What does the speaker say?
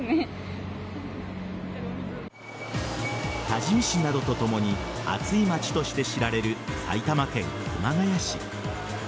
多治見市などとともに暑い街として知られる埼玉県熊谷市。